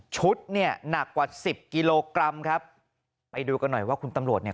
ชุดเนี่ยหนักกว่าสิบกิโลกรัมครับไปดูกันหน่อยว่าคุณตำรวจเนี่ย